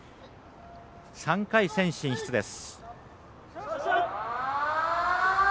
３回戦進出です。